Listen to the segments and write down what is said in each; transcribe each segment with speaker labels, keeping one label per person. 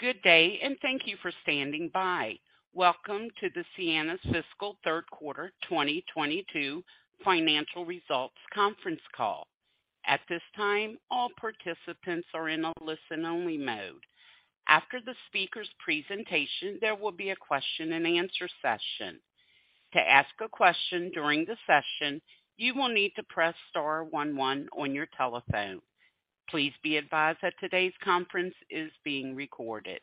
Speaker 1: Good day, and thank you for standing by. Welcome to the Ciena's fiscal third quarter 2022 financial results conference call. At this time, all participants are in a listen-only mode. After the speaker's presentation, there will be a question-and-answer session. To ask a question during the session, you will need to press star one one on your telephone. Please be advised that today's conference is being recorded.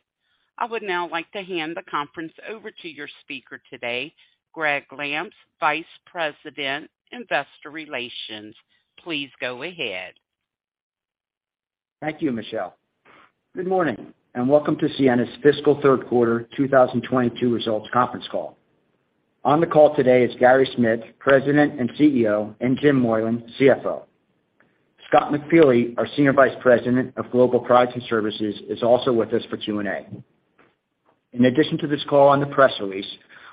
Speaker 1: I would now like to hand the conference over to your speaker today, Gregg Lampf, Vice President, Investor Relations. Please go ahead.
Speaker 2: Thank you, Michelle. Good morning, and welcome to Ciena's fiscal third quarter 2022 results conference call. On the call today is Gary Smith, President and CEO, and Jim Moylan, CFO. Scott McFeely, our Senior Vice President of Global Products and Services, is also with us for Q&A. In addition to this call, on the press release,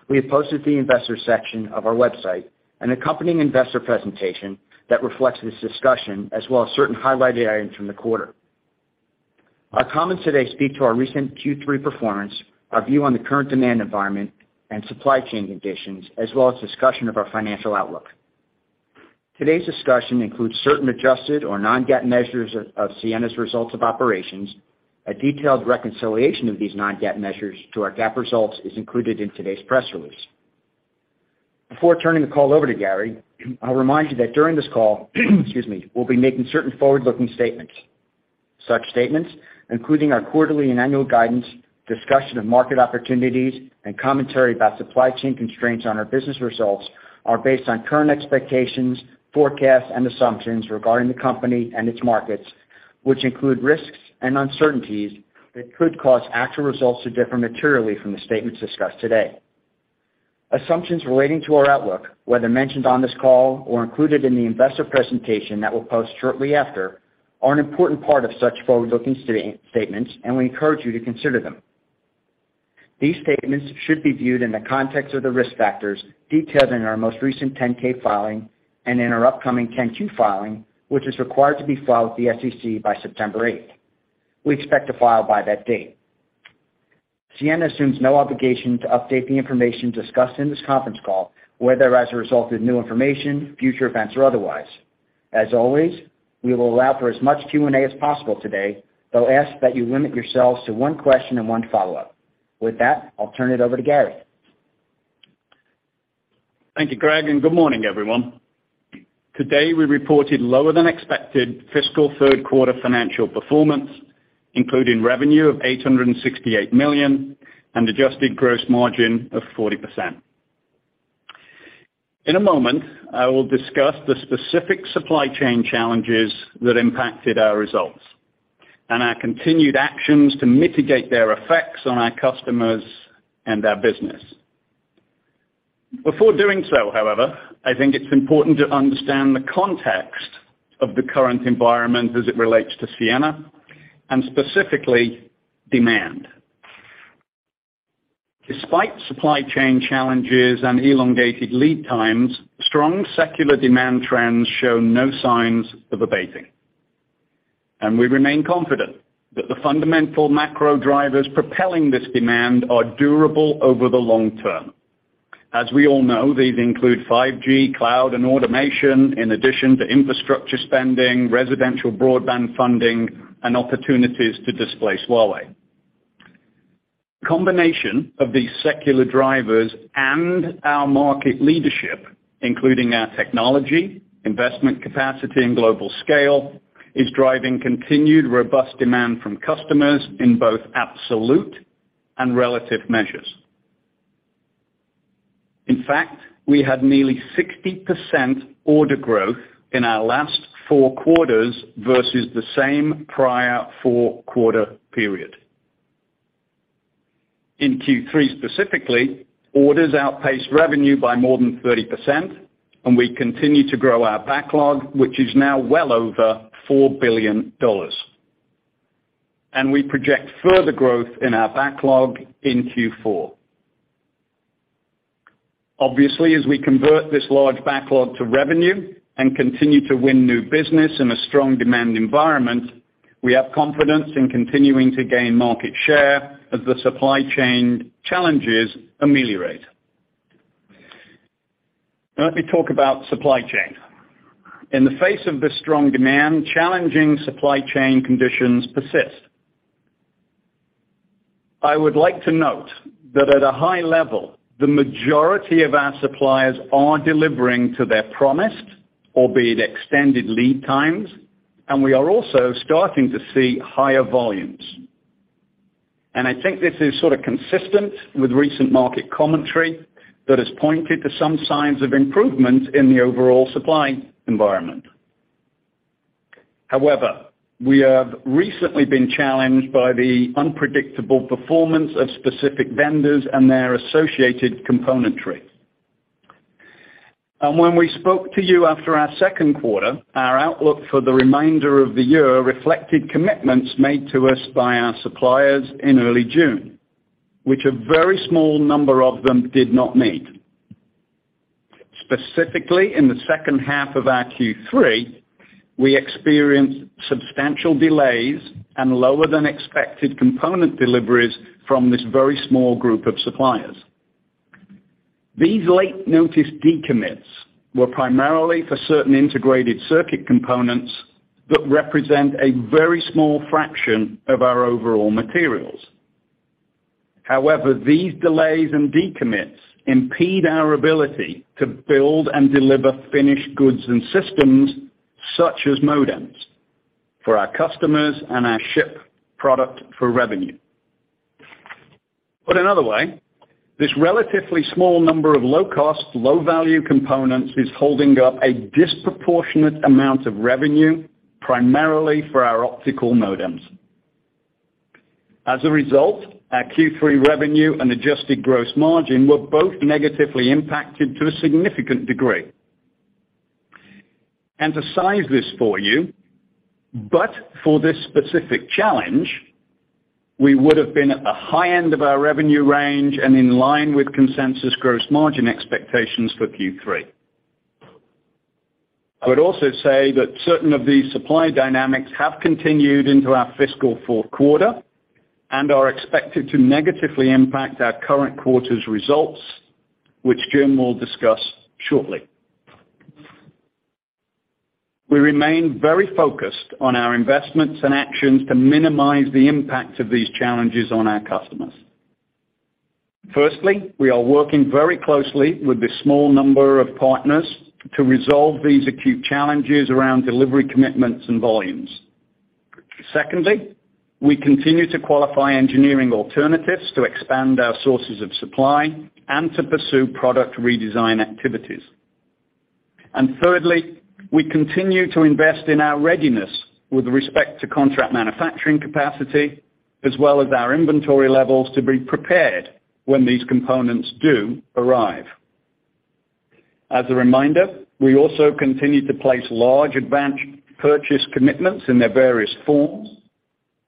Speaker 2: we have posted the investors section of our website, an accompanying investor presentation that reflects this discussion as well as certain highlighted items from the quarter. Our comments today speak to our recent Q3 performance, our view on the current demand environment and supply chain conditions, as well as discussion of our financial outlook. Today's discussion includes certain adjusted or non-GAAP measures of Ciena's results of operations. A detailed reconciliation of these non-GAAP measures to our GAAP results is included in today's press release. Before turning the call over to Gary, I'll remind you that during this call, excuse me, we'll be making certain forward-looking statements. Such statements, including our quarterly and annual guidance, discussion of market opportunities, and commentary about supply chain constraints on our business results, are based on current expectations, forecasts, and assumptions regarding the company and its markets, which include risks and uncertainties that could cause actual results to differ materially from the statements discussed today. Assumptions relating to our outlook, whether mentioned on this call or included in the investor presentation that we'll post shortly after, are an important part of such forward-looking statements, and we encourage you to consider them. These statements should be viewed in the context of the risk factors detailed in our most recent 10-K filing and in our upcoming 10-Q filing, which is required to be filed with the SEC by September 8th. We expect to file by that date. Ciena assumes no obligation to update the information discussed in this conference call, whether as a result of new information, future events, or otherwise. As always, we will allow for as much Q&A as possible today, though ask that you limit yourselves to one question and one follow-up. With that, I'll turn it over to Gary.
Speaker 3: Thank you, Gregg, and good morning, everyone. Today, we reported lower than expected fiscal third quarter financial performance, including revenue of $868 million and adjusted gross margin of 40%. In a moment, I will discuss the specific supply chain challenges that impacted our results and our continued actions to mitigate their effects on our customers and our business. Before doing so, however, I think it's important to understand the context of the current environment as it relates to Ciena and specifically demand. Despite supply chain challenges and elongated lead times, strong secular demand trends show no signs of abating. We remain confident that the fundamental macro drivers propelling this demand are durable over the long term. As we all know, these include 5G, cloud, and automation, in addition to infrastructure spending, residential broadband funding, and opportunities to displace Huawei. Combination of these secular drivers and our market leadership, including our technology, investment capacity, and global scale, is driving continued robust demand from customers in both absolute and relative measures. In fact, we had nearly 60% order growth in our last four quarters versus the same prior four-quarter period. In Q3 specifically, orders outpaced revenue by more than 30%, and we continue to grow our backlog, which is now well over $4 billion, and we project further growth in our backlog in Q4. Obviously, as we convert this large backlog to revenue and continue to win new business in a strong demand environment, we have confidence in continuing to gain market share as the supply chain challenges ameliorate. Now let me talk about supply chain. In the face of this strong demand, challenging supply chain conditions persist. I would like to note that at a high level, the majority of our suppliers are delivering to their promised, albeit extended lead times, and we are also starting to see higher volumes. I think this is sort of consistent with recent market commentary that has pointed to some signs of improvement in the overall supply environment. However, we have recently been challenged by the unpredictable performance of specific vendors and their associated componentry. When we spoke to you after our second quarter, our outlook for the remainder of the year reflected commitments made to us by our suppliers in early June, which a very small number of them did not meet. Specifically, in the second half of our Q3, we experienced substantial delays and lower than expected component deliveries from this very small group of suppliers. These late notice decommits were primarily for certain integrated circuit components that represent a very small fraction of our overall materials. However, these delays and decommits impede our ability to build and deliver finished goods and systems, such as modems for our customers and our ship product for revenue. Put another way, this relatively small number of low cost, low value components is holding up a disproportionate amount of revenue, primarily for our optical modems. As a result, our Q3 revenue and adjusted gross margin were both negatively impacted to a significant degree. To size this for you, but for this specific challenge, we would have been at the high end of our revenue range and in line with consensus gross margin expectations for Q3. I would also say that certain of these supply dynamics have continued into our fiscal fourth quarter and are expected to negatively impact our current quarter's results, which Jim will discuss shortly. We remain very focused on our investments and actions to minimize the impact of these challenges on our customers. Firstly, we are working very closely with this small number of partners to resolve these acute challenges around delivery commitments and volumes. Secondly, we continue to qualify engineering alternatives to expand our sources of supply and to pursue product redesign activities. Thirdly, we continue to invest in our readiness with respect to contract manufacturing capacity, as well as our inventory levels to be prepared when these components do arrive. As a reminder, we also continue to place large advanced purchase commitments in their various forms,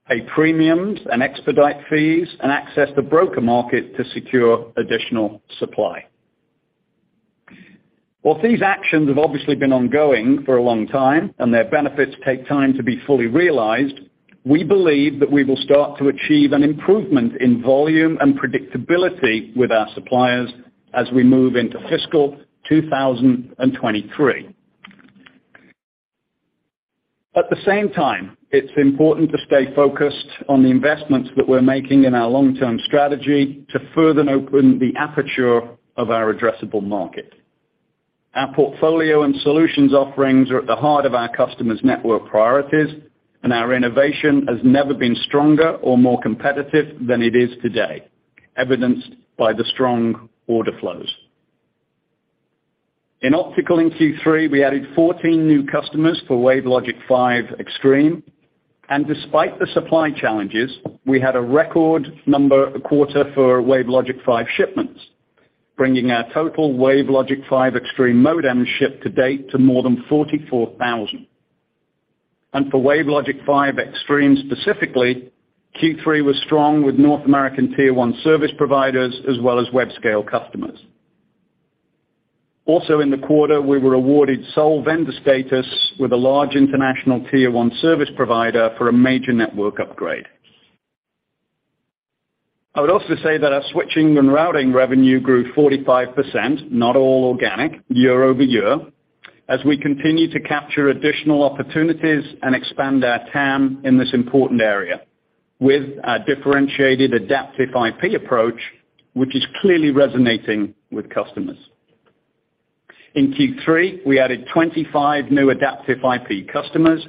Speaker 3: pay premiums and expedite fees, and access the broker market to secure additional supply. While these actions have obviously been ongoing for a long time, and their benefits take time to be fully realized, we believe that we will start to achieve an improvement in volume and predictability with our suppliers as we move into fiscal 2023. At the same time, it's important to stay focused on the investments that we're making in our long-term strategy to further open the aperture of our addressable market. Our portfolio and solutions offerings are at the heart of our customers' network priorities, and our innovation has never been stronger or more competitive than it is today, evidenced by the strong order flows. In optical in Q3, we added 14 new customers for WaveLogic 5 Extreme. Despite the supply challenges, we had a record quarter for WaveLogic 5 shipments, bringing our total WaveLogic 5 Extreme modem shipped to date to more than 44,000. For WaveLogic 5 Extreme specifically, Q3 was strong with North American tier 1 service providers as well as web scale customers. Also in the quarter, we were awarded sole vendor status with a large international tier 1 service provider for a major network upgrade. I would also say that our switching and routing revenue grew 45%, not all organic, year-over-year, as we continue to capture additional opportunities and expand our TAM in this important area with our differentiated Adaptive IP approach, which is clearly resonating with customers. In Q3, we added 25 new Adaptive IP customers,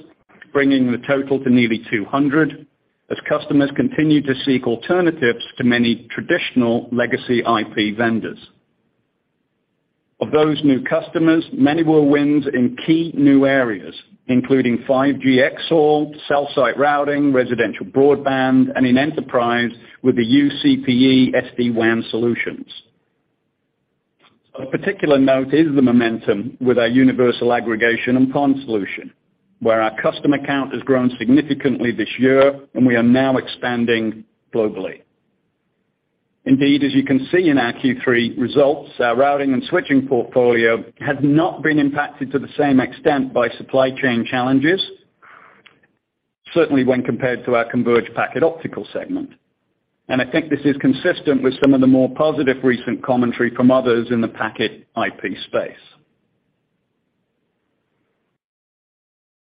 Speaker 3: bringing the total to nearly 200 as customers continue to seek alternatives to many traditional legacy IP vendors. Of those new customers, many were wins in key new areas, including 5G xHaul, cell site routing, residential broadband, and in enterprise with the uCPE SD-WAN solutions. Of particular note is the momentum with our universal aggregation and PON solution, where our customer count has grown significantly this year and we are now expanding globally. Indeed, as you can see in our Q3 results, our routing and switching portfolio has not been impacted to the same extent by supply chain challenges, certainly when compared to our converged packet optical segment. I think this is consistent with some of the more positive recent commentary from others in the packet IP space.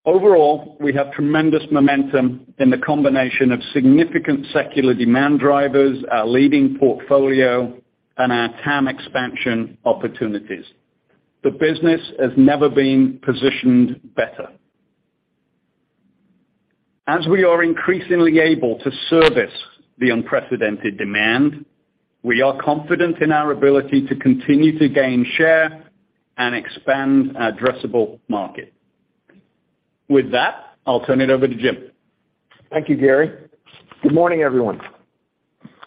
Speaker 3: Overall, we have tremendous momentum in the combination of significant secular demand drivers, our leading portfolio, and our TAM expansion opportunities. The business has never been positioned better. As we are increasingly able to service the unprecedented demand, we are confident in our ability to continue to gain share and expand our addressable market. With that, I'll turn it over to Jim.
Speaker 4: Thank you, Gary. Good morning, everyone.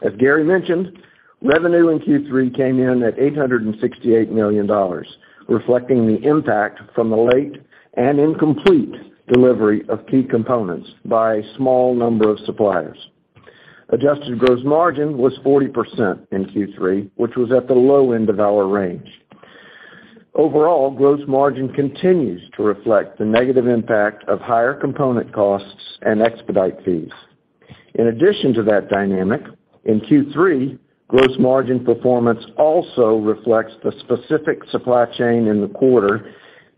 Speaker 4: As Gary mentioned, revenue in Q3 came in at $868 million, reflecting the impact from the late and incomplete delivery of key components by a small number of suppliers. Adjusted gross margin was 40% in Q3, which was at the low end of our range. Overall, gross margin continues to reflect the negative impact of higher component costs and expedite fees. In addition to that dynamic, in Q3, gross margin performance also reflects the specific supply chain in the quarter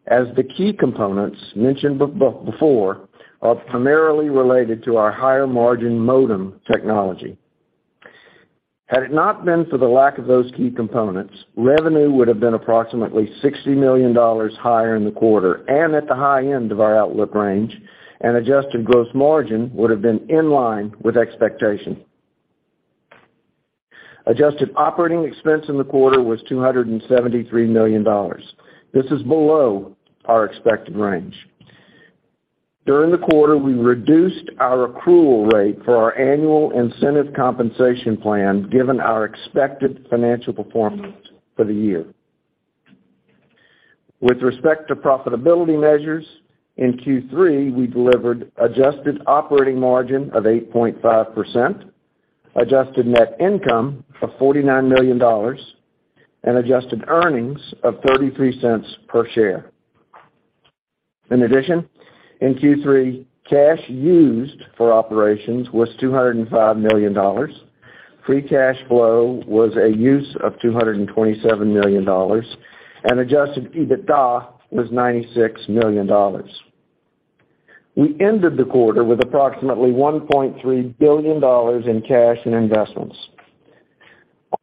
Speaker 4: as the key components mentioned before are primarily related to our higher margin modem technology. Had it not been for the lack of those key components, revenue would have been approximately $60 million higher in the quarter and at the high end of our outlook range, and adjusted gross margin would have been in line with expectation. Adjusted operating expense in the quarter was $273 million. This is below our expected range. During the quarter, we reduced our accrual rate for our annual incentive compensation plan, given our expected financial performance for the year. With respect to profitability measures, in Q3, we delivered adjusted operating margin of 8.5%, adjusted net income of $49 million, and adjusted earnings of $0.33 per share. In addition, in Q3, cash used for operations was $205 million. Free cash flow was a use of $227 million, and Adjusted EBITDA was $96 million. We ended the quarter with approximately $1.3 billion in cash and investments.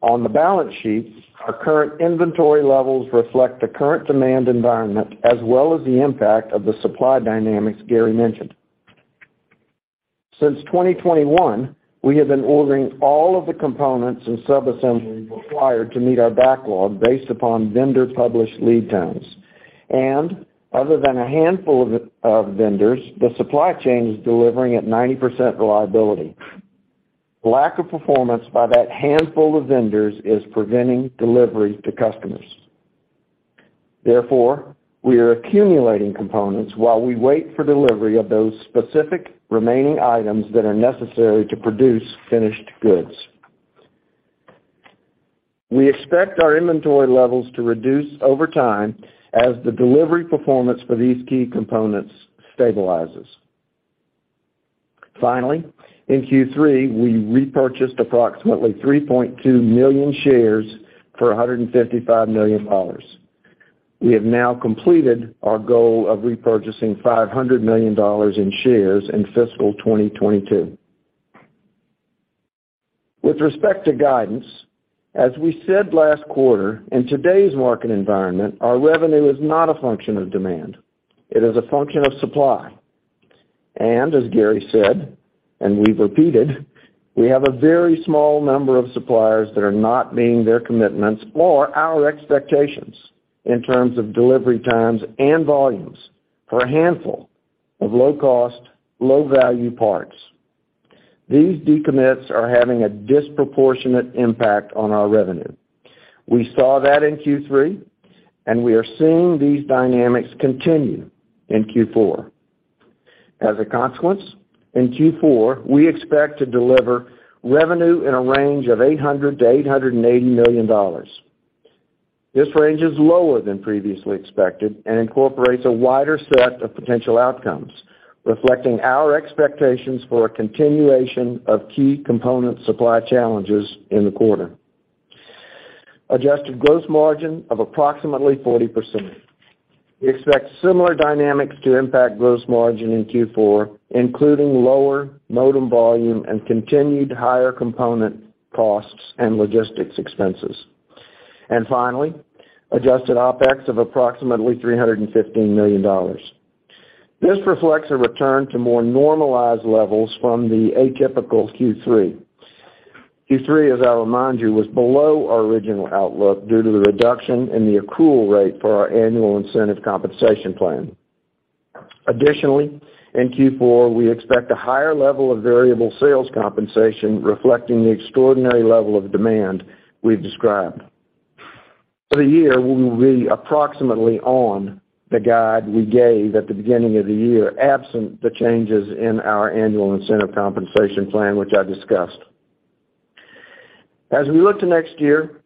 Speaker 4: On the balance sheet, our current inventory levels reflect the current demand environment as well as the impact of the supply dynamics Gary mentioned. Since 2021, we have been ordering all of the components and subassemblies required to meet our backlog based upon vendor published lead times. Other than a handful of vendors, the supply chain is delivering at 90% reliability. Lack of performance by that handful of vendors is preventing delivery to customers. Therefore, we are accumulating components while we wait for delivery of those specific remaining items that are necessary to produce finished goods. We expect our inventory levels to reduce over time as the delivery performance for these key components stabilizes. Finally, in Q3, we repurchased approximately 3.2 million shares for $155 million. We have now completed our goal of repurchasing $500 million in shares in fiscal 2022. With respect to guidance, as we said last quarter, in today's market environment, our revenue is not a function of demand, it is a function of supply. As Gary said, and we've repeated, we have a very small number of suppliers that are not meeting their commitments or our expectations in terms of delivery times and volumes for a handful of low-cost, low-value parts. These decommits are having a disproportionate impact on our revenue. We saw that in Q3, and we are seeing these dynamics continue in Q4. As a consequence, in Q4, we expect to deliver revenue in a range of $800 million-$880 million. This range is lower than previously expected and incorporates a wider set of potential outcomes, reflecting our expectations for a continuation of key component supply challenges in the quarter. Adjusted gross margin of approximately 40%. We expect similar dynamics to impact gross margin in Q4, including lower modem volume and continued higher component costs and logistics expenses. Finally, adjusted OpEx of approximately $315 million. This reflects a return to more normalized levels from the atypical Q3. Q3, as I'll remind you, was below our original outlook due to the reduction in the accrual rate for our annual incentive compensation plan. Additionally, in Q4, we expect a higher level of variable sales compensation reflecting the extraordinary level of demand we've described. For the year, we will be approximately on the guide we gave at the beginning of the year, absent the changes in our annual incentive compensation plan, which I discussed. As we look to next year,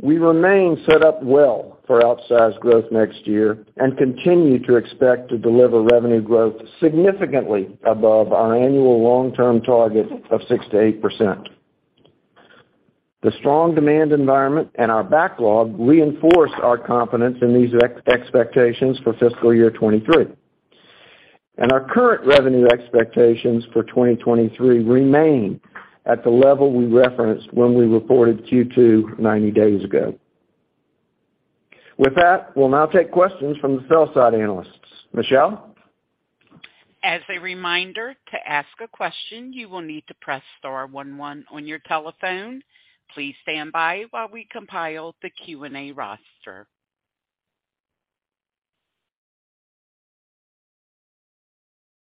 Speaker 4: we remain set up well for outsized growth next year and continue to expect to deliver revenue growth significantly above our annual long-term target of 6%-8%. The strong demand environment and our backlog reinforce our confidence in these expectations for fiscal year 2023. Our current revenue expectations for 2023 remain at the level we referenced when we reported Q2 90 days ago. With that, we'll now take questions from the sell-side analysts. Michelle?
Speaker 1: As a reminder, to ask a question, you will need to press star one one on your telephone. Please stand by while we compile the Q&A roster.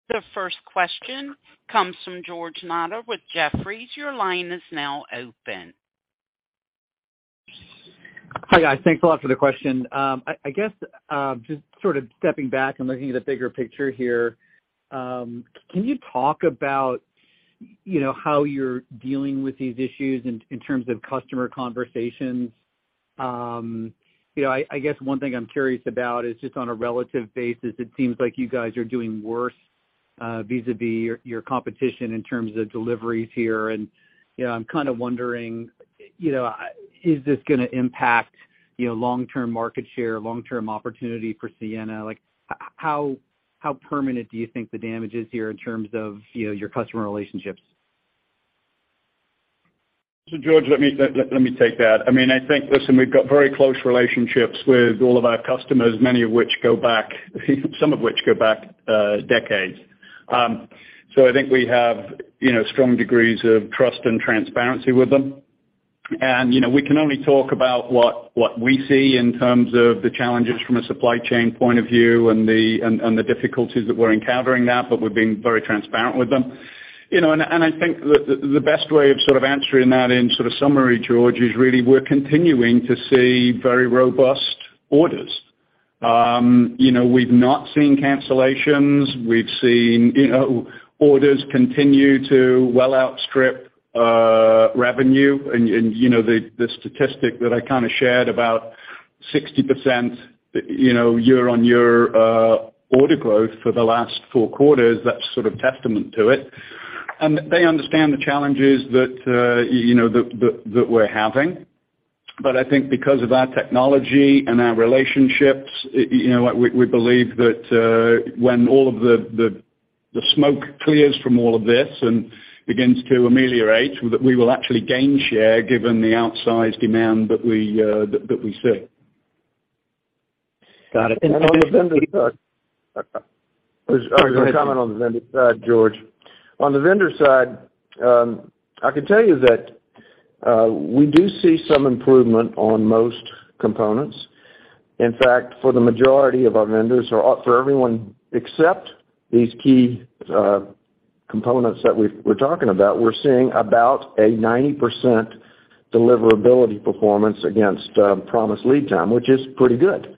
Speaker 1: The first question comes from George Notter with Jefferies. Your line is now open.
Speaker 5: Hi, guys. Thanks a lot for the question. I guess, just sort of stepping back and looking at the bigger picture here, can you talk about, you know, how you're dealing with these issues in terms of customer conversations? You know, I guess one thing I'm curious about is just on a relative basis, it seems like you guys are doing worse vis-à-vis your competition in terms of deliveries here. You know, I'm kinda wondering, you know, is this gonna impact, you know, long-term market share, long-term opportunity for Ciena? Like how permanent do you think the damage is here in terms of, you know, your customer relationships?
Speaker 4: George, let me take that. I mean, I think, listen, we've got very close relationships with all of our customers, many of which go back, some of which go back, decades. I think we have, you know, strong degrees of trust and transparency with them. You know, we can only talk about what we see in terms of the challenges from a supply chain point of view and the difficulties that we're encountering now, but we're being very transparent with them. You know, I think the best way of sort of answering that in sort of summary, George, is really we're continuing to see very robust orders. You know, we've not seen cancellations. We've seen, you know, orders continue to well outstrip revenue and the statistic that I kind of shared about 60%, you know, year-on-year order growth for the last four quarters. That's sort of testament to it. They understand the challenges that we're having. I think because of our technology and our relationships, you know, we believe that when all of the smoke clears from all of this and begins to ameliorate, that we will actually gain share given the outsized demand that we see.
Speaker 5: Got it.
Speaker 4: On the vendor side.
Speaker 5: Oh, go ahead.
Speaker 4: I was gonna comment on the vendor side, George. On the vendor side, I can tell you that we do see some improvement on most components. In fact, for the majority of our vendors or for everyone except these key components that we're talking about, we're seeing about a 90% deliverability performance against promised lead time, which is pretty good.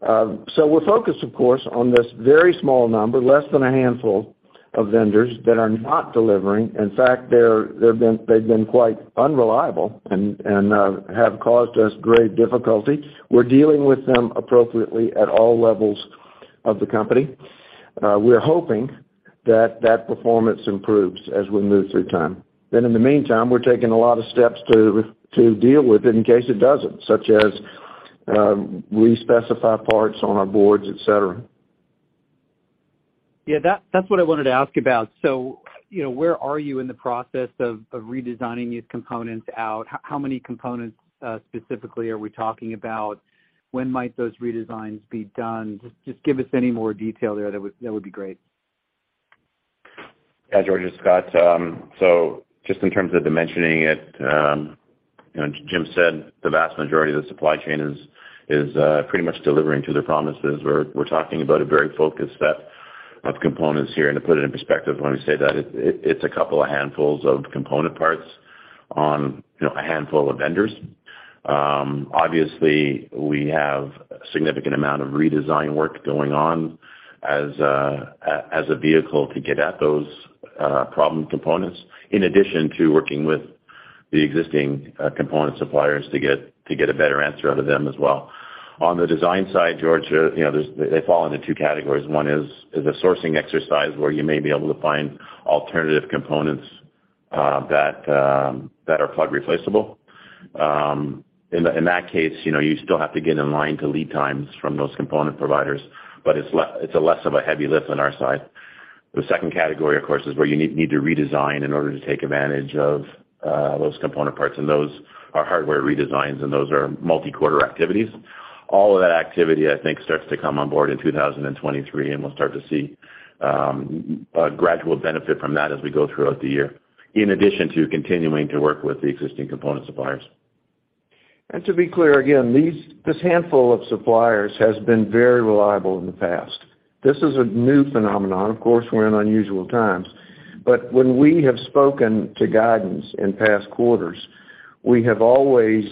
Speaker 4: We're focused of course on this very small number, less than a handful of vendors that are not delivering. In fact, they've been quite unreliable and have caused us great difficulty. We're dealing with them appropriately at all levels of the company. We're hoping that that performance improves as we move through time. In the meantime, we're taking a lot of steps to deal with it in case it doesn't, such as respecify parts on our boards, et cetera.
Speaker 5: Yeah, that's what I wanted to ask about. You know, where are you in the process of redesigning these components out? How many components specifically are we talking about? When might those redesigns be done? Just give us any more detail there. That would be great.
Speaker 6: Yeah, George, it's Scott. So just in terms of dimensioning it, you know, Jim said the vast majority of the supply chain is pretty much delivering to their promises. We're talking about a very focused set of components here. To put it in perspective, let me say that it's a couple of handfuls of component parts on, you know, a handful of vendors. Obviously, we have a significant amount of redesign work going on as a vehicle to get at those problem components, in addition to working with the existing component suppliers to get a better answer out of them as well. On the design side, George, you know, there's. They fall into two categories. One is a sourcing exercise where you may be able to find alternative components that are plug replaceable. In that case, you know, you still have to get in line to lead times from those component providers, but it's less of a heavy lift on our side. The second category, of course, is where you need to redesign in order to take advantage of those component parts. Those are hardware redesigns, and those are multi-quarter activities. All of that activity, I think, starts to come on board in 2023, and we'll start to see a gradual benefit from that as we go throughout the year, in addition to continuing to work with the existing component suppliers.
Speaker 4: To be clear, again, this handful of suppliers has been very reliable in the past. This is a new phenomenon. Of course, we're in unusual times. When we have spoken to guidance in past quarters, we have always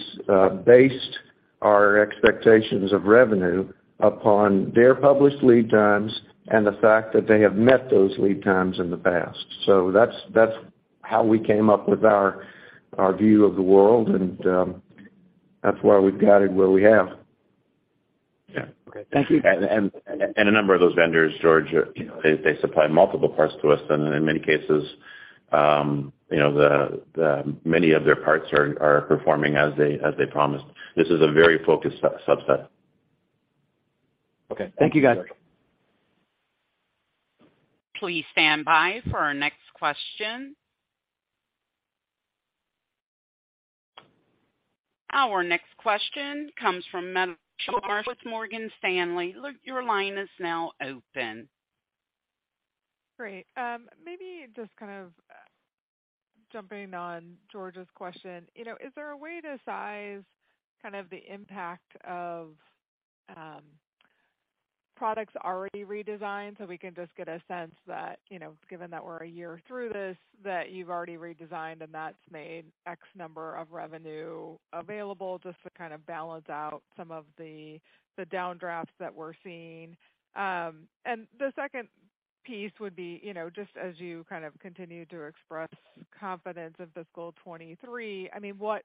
Speaker 4: based our expectations of revenue upon their published lead times and the fact that they have met those lead times in the past. That's how we came up with our view of the world, and that's why we've guided where we have.
Speaker 5: Yeah. Okay. Thank you.
Speaker 6: A number of those vendors, George, you know, they supply multiple parts to us. In many cases, you know, many of their parts are performing as they promised. This is a very focused subset.
Speaker 5: Okay. Thank you, guys.
Speaker 1: Please stand by for our next question. Our next question comes from Mata Marshall with Morgan Stanley. Your line is now open.
Speaker 7: Great. Maybe just kind of jumping on George's question. You know, is there a way to size kind of the impact of, products already redesigned, so we can just get a sense that, you know, given that we're a year through this, that you've already redesigned and that's made X number of revenue available, just to kind of balance out some of the downdrafts that we're seeing. The second piece would be, you know, just as you kind of continue to express confidence of fiscal 2023, I mean, what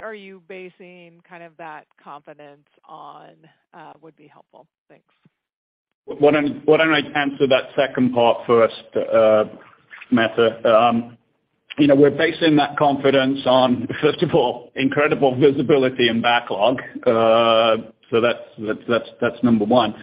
Speaker 7: are you basing kind of that confidence on, would be helpful. Thanks.
Speaker 3: Why don't I answer that second part first, Meta? You know, we're basing that confidence on, first of all, incredible visibility and backlog. So that's number one.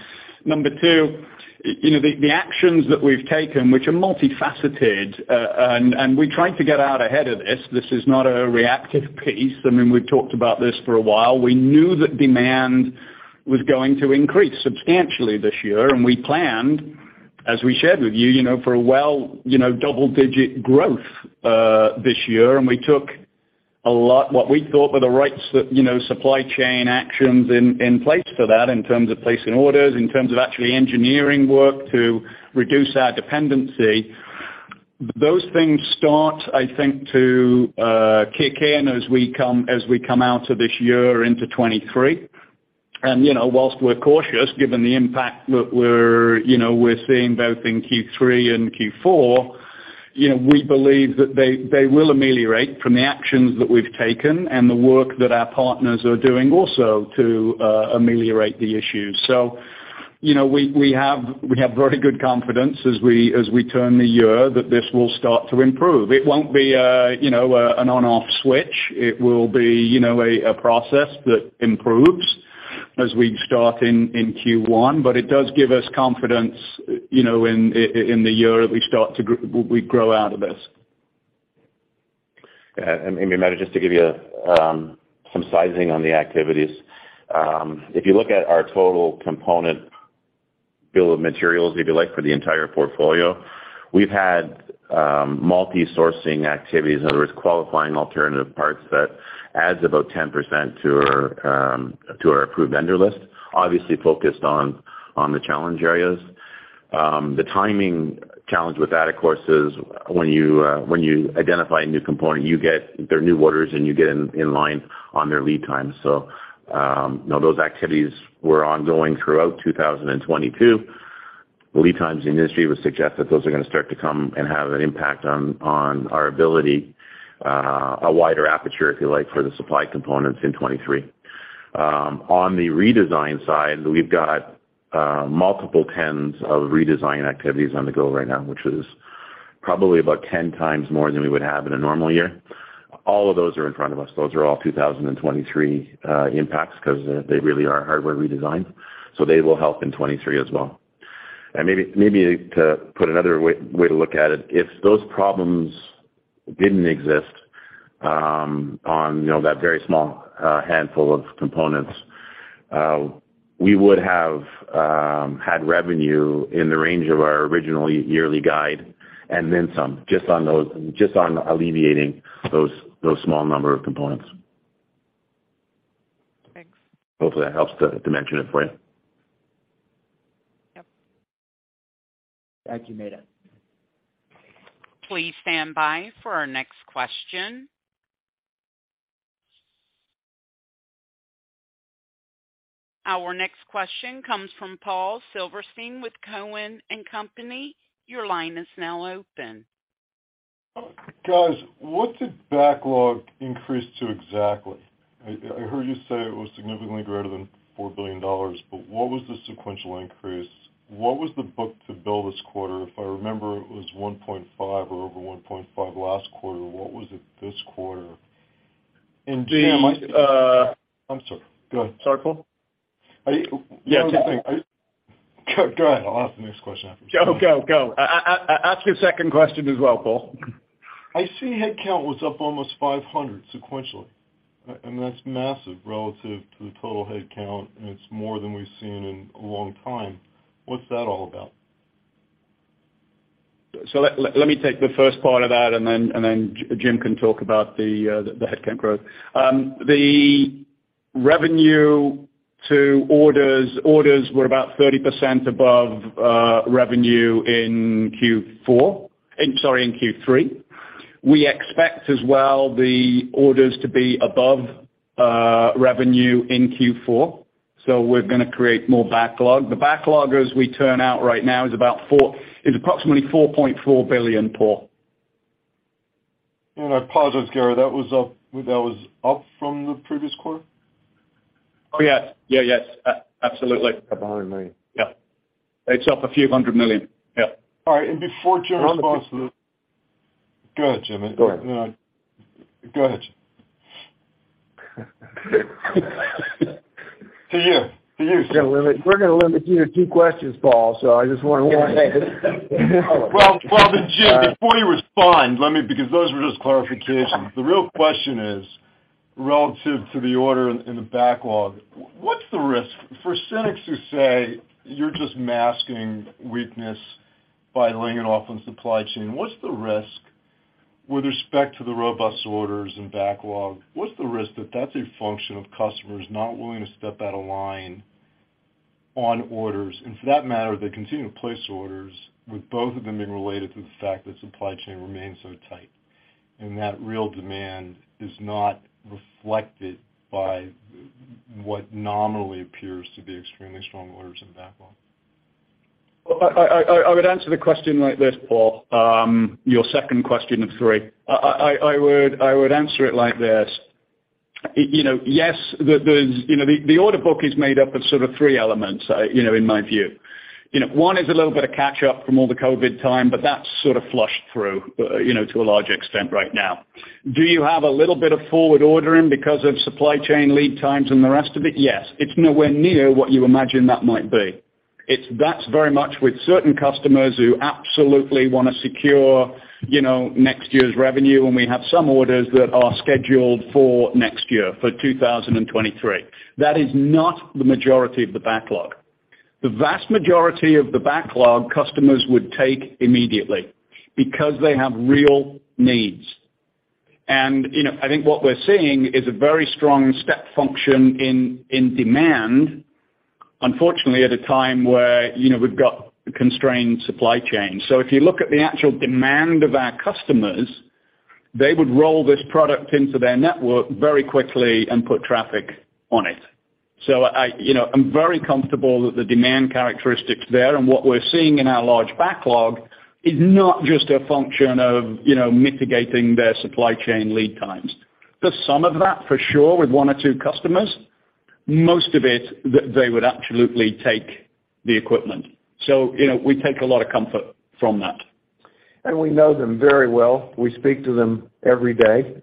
Speaker 3: Number two, you know, the actions that we've taken, which are multifaceted, and we tried to get out ahead of this. This is not a reactive piece. I mean, we've talked about this for a while. We knew that demand was going to increase substantially this year, and we planned, as we shared with you know, for a, well, you know, double-digit growth this year. And we took a lot, what we thought were the right, you know, supply chain actions in place for that in terms of placing orders, in terms of actually engineering work to reduce our dependency. Those things start, I think, to kick in as we come out of this year into 2023. You know, whilst we're cautious given the impact that we're seeing both in Q3 and Q4, you know, we believe that they will ameliorate from the actions that we've taken and the work that our partners are doing also to ameliorate the issues. You know, we have very good confidence as we turn the year that this will start to improve. It won't be, you know, an on/off switch. It will be, you know, a process that improves as we start in Q1. It does give us confidence, you know, in the year that we start to grow out of this.
Speaker 6: Yeah. Maybe, Meta, just to give you some sizing on the activities. If you look at our total component bill of materials, if you like, for the entire portfolio, we've had multi-sourcing activities. In other words, qualifying alternative parts that adds about 10% to our to our approved vendor list, obviously focused on the challenge areas. The timing challenge with that, of course, is when you when you identify a new component, you get their new orders, and you get in line on their lead time. Those activities were ongoing throughout 2022. Lead times in the industry would suggest that those are gonna start to come and have an impact on our ability a wider aperture, if you like, for the supply components in 2023. On the redesign side, we've got multiple tens of redesign activities on the go right now, which is probably about ten times more than we would have in a normal year. All of those are in front of us. Those are all 2023 impacts 'cause they really are hardware redesigns, so they will help in 2023 as well. Maybe to put another way to look at it, if those problems didn't exist, on you know that very small handful of components, we would have had revenue in the range of our original yearly guide and then some, just on alleviating those small number of components.
Speaker 7: Thanks.
Speaker 6: Hopefully that helps to mention it for you.
Speaker 7: Yep.
Speaker 3: Thank you, Meta.
Speaker 1: Please stand by for our next question. Our next question comes from Paul Silverstein with Cowen & Company. Your line is now open.
Speaker 8: Guys, what did backlog increase to exactly? I heard you say it was significantly greater than $4 billion, but what was the sequential increase? What was the book to bill this quarter? If I remember, it was 1.5 or over 1.5 last quarter. What was it this quarter?
Speaker 3: In the
Speaker 8: I'm sorry. Go ahead.
Speaker 3: Sorry, Paul?
Speaker 8: Are you-
Speaker 3: Yeah.
Speaker 8: Go ahead. I'll ask the next question after.
Speaker 3: Go. Ask your second question as well, Paul.
Speaker 8: I see headcount was up almost 500 sequentially. I mean, that's massive relative to the total headcount, and it's more than we've seen in a long time. What's that all about?
Speaker 3: Let me take the first part of that, and then Jim can talk about the headcount growth. The revenue to orders were about 30% above revenue in Q3. We expect as well the orders to be above revenue in Q4, so we're gonna create more backlog. The backlog as it turns out right now is about $4.4 billion, Paul.
Speaker 8: I apologize, Gary, that was up from the previous quarter?
Speaker 3: Oh, yes. Yeah, yes. Absolutely.
Speaker 6: Up $100 million.
Speaker 3: Yeah. It's up a few hundred million. Yeah.
Speaker 8: All right. Before Jim responds, go ahead, Jim.
Speaker 6: Go ahead.
Speaker 8: No, go ahead, Jim. To you, Jim.
Speaker 4: We're gonna limit you to two questions, Paul, so I just want to warn you.
Speaker 8: Well, Jim, before you respond, let me, because those were just clarifications. The real question is, relative to the order in the backlog, what's the risk? For cynics who say you're just masking weakness by laying it off on supply chain, what's the risk? With respect to the robust orders and backlog, what's the risk that that's a function of customers not willing to step out of line on orders? And for that matter, they continue to place orders with both of them being related to the fact that supply chain remains so tight, and that real demand is not reflected by what nominally appears to be extremely strong orders in backlog.
Speaker 3: I would answer the question like this, Paul, your second question of three. I would answer it like this. You know, yes, you know, the order book is made up of sort of three elements, you know, in my view. You know, one is a little bit of catch up from all the COVID time, but that's sort of flushed through, you know, to a large extent right now. Do you have a little bit of forward ordering because of supply chain lead times and the rest of it? Yes. It's nowhere near what you imagine that might be. It's. That's very much with certain customers who absolutely wanna secure, you know, next year's revenue, and we have some orders that are scheduled for next year, for 2023. That is not the majority of the backlog. The vast majority of the backlog customers would take immediately because they have real needs. You know, I think what we're seeing is a very strong step function in demand, unfortunately at a time where, you know, we've got constrained supply chain. If you look at the actual demand of our customers, they would roll this product into their network very quickly and put traffic on it. I, you know, I'm very comfortable with the demand characteristics there. What we're seeing in our large backlog is not just a function of, you know, mitigating their supply chain lead times. There's some of that for sure with one or two customers, most of it they would absolutely take the equipment. You know, we take a lot of comfort from that.
Speaker 4: We know them very well. We speak to them every day.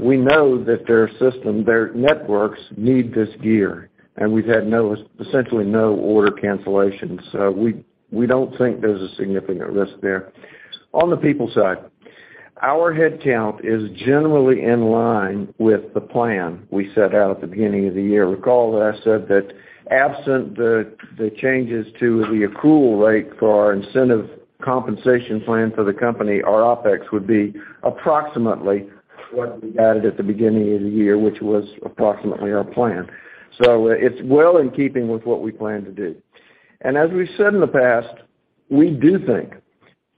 Speaker 4: We know that their system, their networks need this gear, and we've had essentially no order cancellations. We don't think there's a significant risk there. On the people side, our headcount is generally in line with the plan we set out at the beginning of the year. Recall that I said that absent the changes to the accrual rate for our incentive compensation plan for the company, our OpEx would be approximately what we had it at the beginning of the year, which was approximately our plan. It's well in keeping with what we plan to do. As we've said in the past, we do think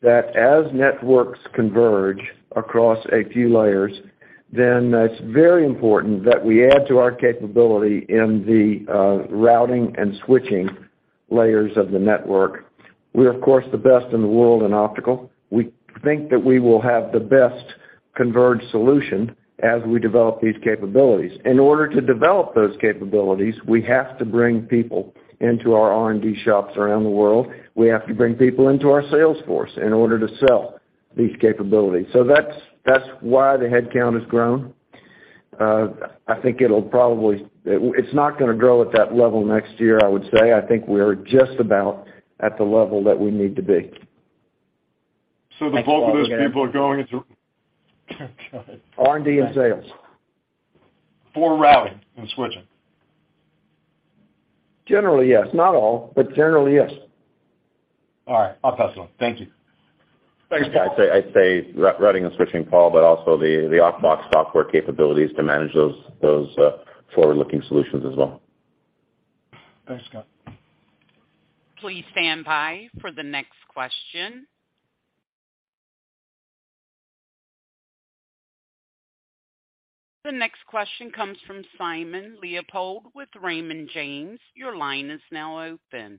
Speaker 4: that as networks converge across a few layers, it's very important that we add to our capability in the routing and switching layers of the network. We're, of course, the best in the world in optical. We think that we will have the best converged solution as we develop these capabilities. In order to develop those capabilities, we have to bring people into our R&D shops around the world. We have to bring people into our sales force in order to sell these capabilities. That's why the headcount has grown. I think it's not gonna grow at that level next year, I would say. I think we're just about at the level that we need to be.
Speaker 8: The bulk of those people are going into.
Speaker 4: R&D and sales.
Speaker 8: For routing and switching?
Speaker 4: Generally, yes. Not all, but generally, yes.
Speaker 8: All right. I'll pass on. Thank you. Thanks, guys.
Speaker 3: I'd say routing and switching, Paul, but also the OptBox software capabilities to manage those forward-looking solutions as well.
Speaker 8: Thanks, Scott.
Speaker 1: Please stand by for the next question. The next question comes from Simon Leopold with Raymond James. Your line is now open.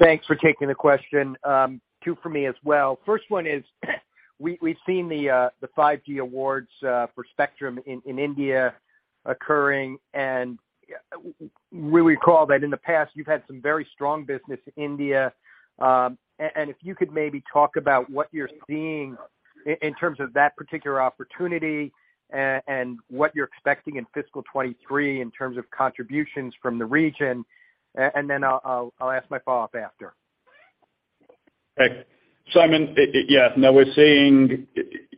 Speaker 9: Thanks for taking the question. Two for me as well. First one is, we've seen the 5G awards for spectrum in India occurring, and we recall that in the past you've had some very strong business in India. And if you could maybe talk about what you're seeing in terms of that particular opportunity and what you're expecting in fiscal 2023 in terms of contributions from the region, and then I'll ask my follow-up after.
Speaker 3: Simon, yes. No, we're seeing,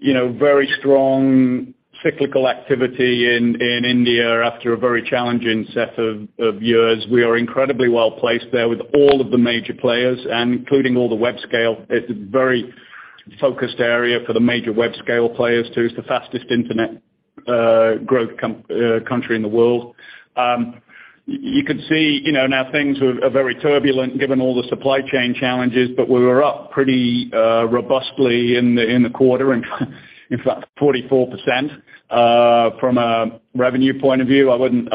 Speaker 3: you know, very strong cyclical activity in India after a very challenging set of years. We are incredibly well-placed there with all of the major players and including all the web scale. It's a very focused area for the major web scale players, too. It's the fastest internet growth country in the world. You could see, you know, now things are very turbulent given all the supply chain challenges, but we were up pretty robustly in the quarter and in fact 44%. From a revenue point of view, I wouldn't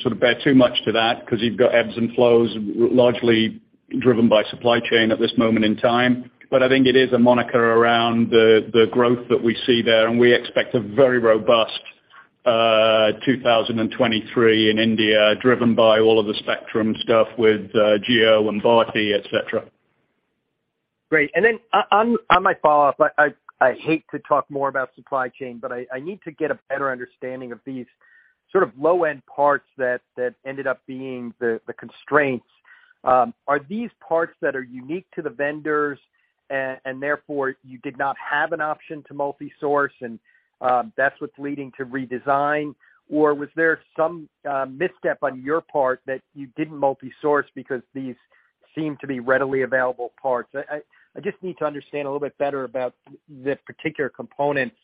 Speaker 3: sort of bear too much to that because you've got ebbs and flows largely driven by supply chain at this moment in time. I think it is a moniker around the growth that we see there, and we expect a very robust 2023 in India, driven by all of the spectrum stuff with Jio and Bharti, et cetera.
Speaker 9: Great. On my follow-up, I hate to talk more about supply chain, but I need to get a better understanding of these sort of low-end parts that ended up being the constraints. Are these parts that are unique to the vendors and therefore you did not have an option to multi-source and that's what's leading to redesign? Or was there some misstep on your part that you didn't multi-source because these seem to be readily available parts. I just need to understand a little bit better about the particular components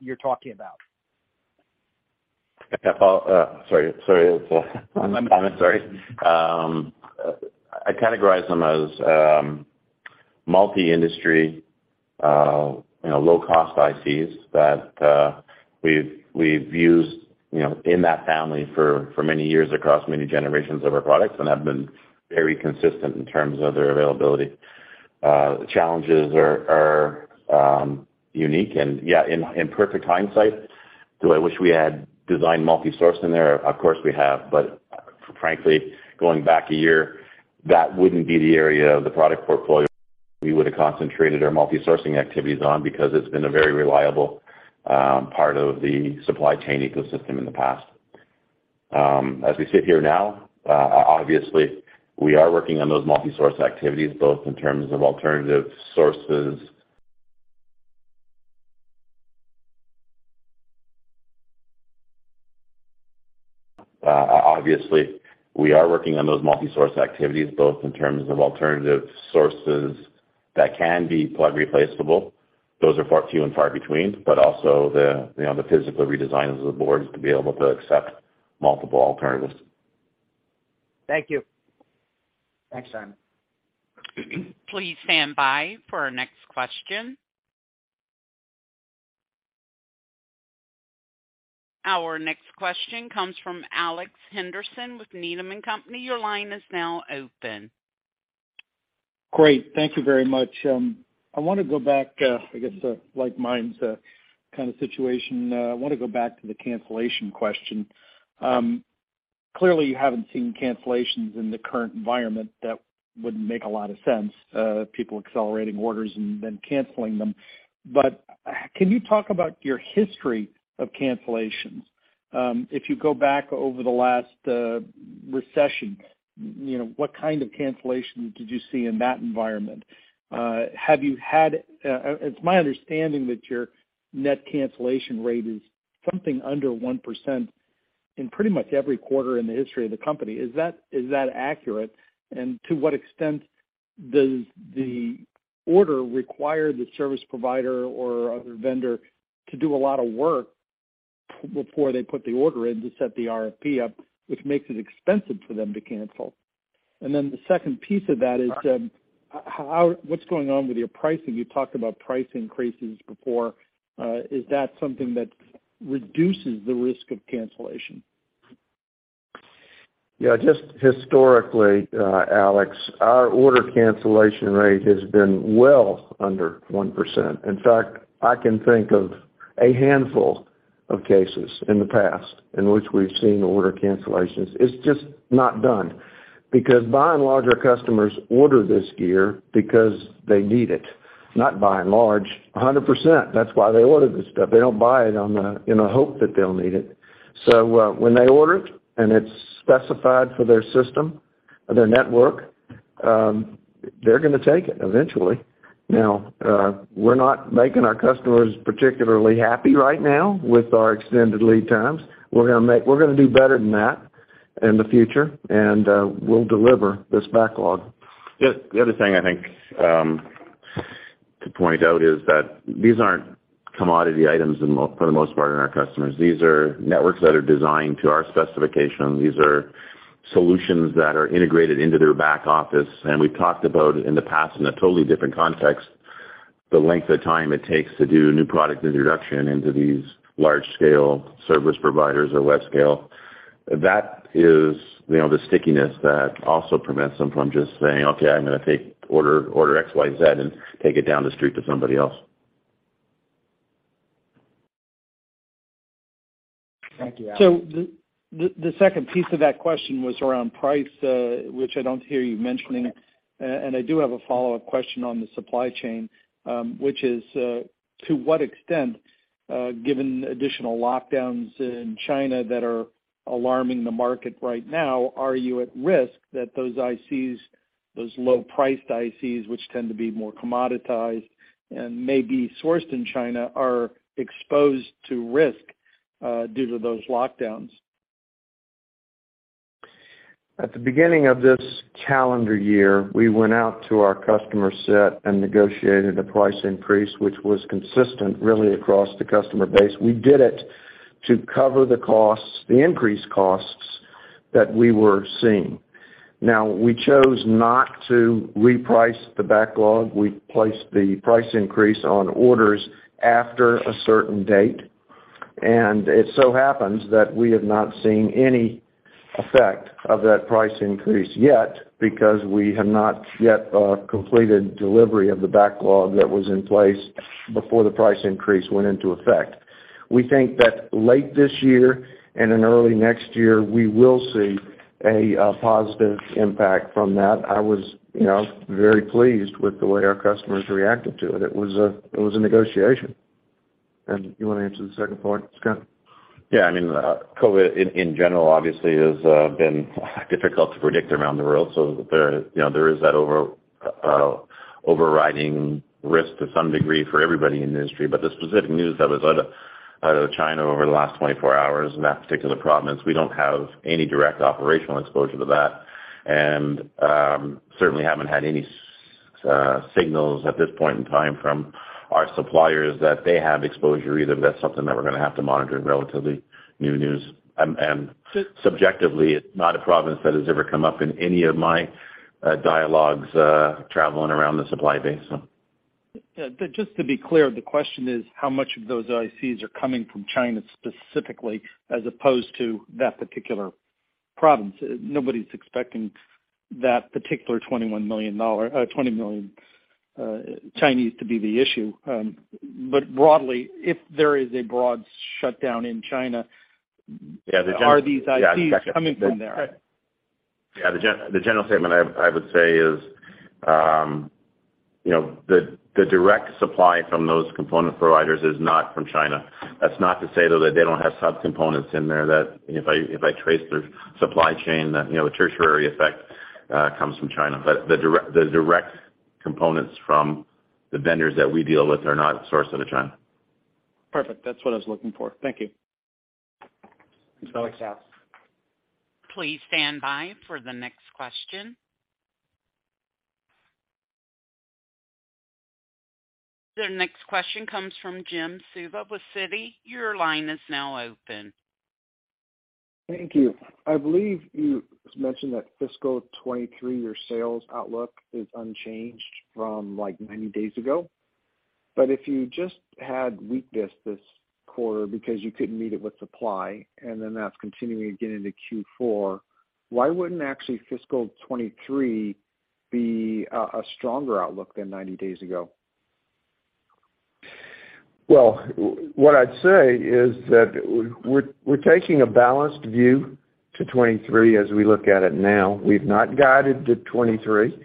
Speaker 9: you're talking about.
Speaker 6: Yeah, Paul, sorry. It's Simon
Speaker 9: My bad.
Speaker 6: I'm sorry. I categorize them as multi-industry, you know, low-cost ICs that we've used, you know, in that family for many years across many generations of our products and have been very consistent in terms of their availability. The challenges are unique and yeah, in perfect hindsight, do I wish we had designed multi-source in there? Of course, we have, but frankly, going back a year, that wouldn't be the area of the product portfolio we would have concentrated our multi-sourcing activities on because it's been a very reliable part of the supply chain ecosystem in the past. As we sit here now, obviously, we are working on those multi-source activities, both in terms of alternative sources that can be plug replaceable. Those are few and far between, but also, you know, the physical redesigns of the boards to be able to accept multiple alternatives.
Speaker 9: Thank you.
Speaker 3: Thanks, Simon.
Speaker 1: Please stand by for our next question. Our next question comes from Alex Henderson with Needham & Company. Your line is now open.
Speaker 10: Great. Thank you very much. I wanna go back to the cancellation question. Clearly, you haven't seen cancellations in the current environment. That wouldn't make a lot of sense, people accelerating orders and then canceling them. Can you talk about your history of cancellations? If you go back over the last recession, you know, what kind of cancellations did you see in that environment? It's my understanding that your net cancellation rate is something under 1% in pretty much every quarter in the history of the company. Is that accurate? To what extent does the order require the service provider or other vendor to do a lot of work before they put the order in to set the RFP up, which makes it expensive for them to cancel? Then the second piece of that is, what's going on with your pricing? You talked about price increases before. Is that something that reduces the risk of cancellation?
Speaker 4: Yeah, just historically, Alex, our order cancellation rate has been well under 1%. In fact, I can think of a handful of cases in the past in which we've seen order cancellations. It's just not done because by and large, our customers order this gear because they need it, not by and large, 100%. That's why they order this stuff. They don't buy it in a hope that they'll need it. When they order it and it's specified for their system or their network, they're gonna take it eventually. Now, we're not making our customers particularly happy right now with our extended lead times. We're gonna do better than that in the future, and we'll deliver this backlog.
Speaker 6: The other thing I think to point out is that these aren't commodity items for the most part for our customers. These are networks that are designed to our specification. These are solutions that are integrated into their back office, and we've talked about in the past in a totally different context, the length of time it takes to do new product introduction into these large-scale service providers or web-scale. That is the stickiness that also prevents them from just saying, "Okay, I'm gonna take order X, Y, Z and take it down the street to somebody else.
Speaker 10: Thank you. The second piece of that question was around price, which I don't hear you mentioning. I do have a follow-up question on the supply chain, which is, to what extent, given additional lockdowns in China that are alarming the market right now, are you at risk that those ICs, those low-priced ICs, which tend to be more commoditized and may be sourced in China, are exposed to risk, due to those lockdowns?
Speaker 4: At the beginning of this calendar year, we went out to our customer set and negotiated a price increase, which was consistent really across the customer base. We did it to cover the costs, the increased costs that we were seeing. Now, we chose not to reprice the backlog. We placed the price increase on orders after a certain date, and it so happens that we have not seen any effect of that price increase yet because we have not yet completed delivery of the backlog that was in place before the price increase went into effect. We think that late this year and in early next year, we will see a positive impact from that. I was, you know, very pleased with the way our customers reacted to it. It was a negotiation. You wanna answer the second part, Scott?
Speaker 6: Yeah. I mean, COVID in general obviously has been difficult to predict around the world. There, you know, there is that overriding risk to some degree for everybody in the industry. The specific news that was out of China over the last 24 hours in that particular province, we don't have any direct operational exposure to that. Certainly haven't had any signals at this point in time from our suppliers that they have exposure either. That's something that we're gonna have to monitor in relatively new news. Subjectively, it's not a province that has ever come up in any of my dialogues traveling around the supply base, so.
Speaker 10: Yeah. Just to be clear, the question is how much of those ICs are coming from China specifically as opposed to that particular province. Nobody's expecting that particular 20 million Chinese to be the issue. Broadly, if there is a broad shutdown in China.
Speaker 6: Yeah.
Speaker 10: Are these ICs coming from there?
Speaker 6: Yeah. The general statement I would say is, you know, the direct supply from those component providers is not from China. That's not to say, though, that they don't have subcomponents in there that if I trace their supply chain that, you know, a tertiary effect comes from China. The direct components from the vendors that we deal with are not sourced out of China.
Speaker 10: Perfect. That's what I was looking for. Thank you.
Speaker 3: Thanks Alex.
Speaker 1: Please stand by for the next question. The next question comes from Jim Suva with Citi. Your line is now open.
Speaker 11: Thank you. I believe you mentioned that fiscal 2023, your sales outlook is unchanged from, like, 90 days ago. If you just had weakness this quarter because you couldn't meet it with supply, and then that's continuing to get into Q4, why wouldn't actually fiscal 2023 be a stronger outlook than 90 days ago?
Speaker 4: Well, what I'd say is that we're taking a balanced view to 2023 as we look at it now. We've not guided to 2023.